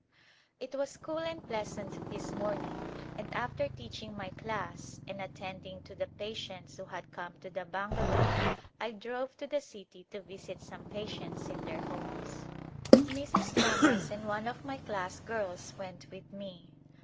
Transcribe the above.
It was cool and pleasant this morning and after teaching my class and attending to the patients who had come to the bungalow I drove to the city to visit some patients in their homes. Mrs. Thomas and one of my class girls went with me.